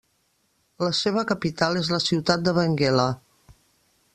La seva capital és la ciutat de Benguela.